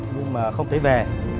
nhưng mà không thấy về